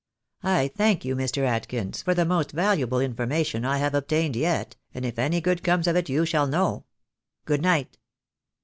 I thank you, Mr. Adkins, for the most valuable information I have obtained yet, and if any good comes of it you shall know. Good night."